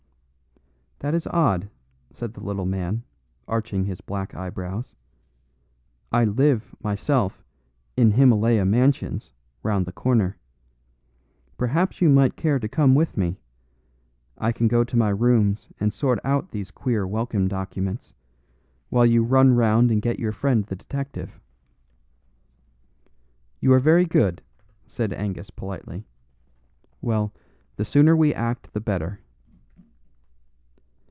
"That is odd," said the little man, arching his black eyebrows. "I live, myself, in Himylaya Mansions, round the corner. Perhaps you might care to come with me; I can go to my rooms and sort out these queer Welkin documents, while you run round and get your friend the detective." "You are very good," said Angus politely. "Well, the sooner we act the better."